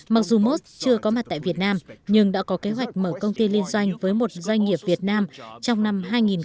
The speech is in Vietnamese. mặc dù mốt chưa có mặt tại việt nam nhưng đã có kế hoạch mở công ty liên doanh với một doanh nghiệp việt nam trong năm hai nghìn hai mươi